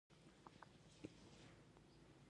موخه یې د ژوند ښه والی دی.